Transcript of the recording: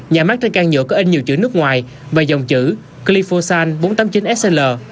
nhà mát trên can nhựa có inh nhiều chữ nước ngoài và dòng chữ clifosan bốn trăm tám mươi chín sl